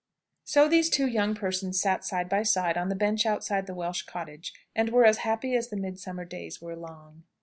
So these two young persons sat side by side, on the bench outside the Welsh cottage, and were as happy as the midsummer days were long.